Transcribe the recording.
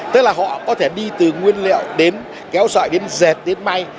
tức là họ có thể đi từ nguyên liệu đến kéo sợi đến diệt đến mây